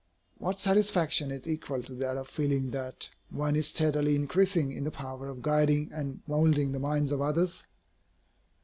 What satisfaction is equal to that of feeling that one is steadily increasing in the power of guiding and moulding the minds of others?